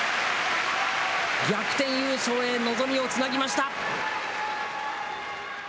逆転優勝へ、望みをつなぎました。